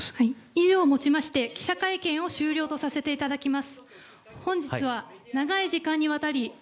以上をもちまして記者会見を終わらせていただきます。